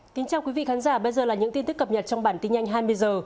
xin chào quý vị khán giả bây giờ là những tin tức cập nhật trong bản tin nhanh hai mươi h